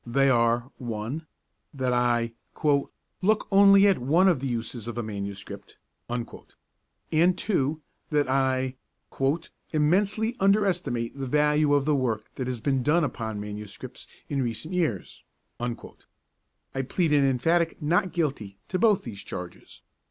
They are: 1. that I 'look only at one of the uses of a MS.,' and 2. that I 'immensely under estimate the value of the work that has been done upon MSS. in recent years.' I plead an emphatic not guilty to both these charges.